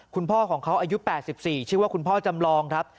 คุณพ่อของเขาอายุแปดสิบสี่ชื่อว่าคุณพ่อจำรองครับ